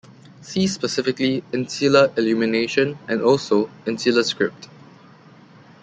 See specifically Insular illumination and also Insular script.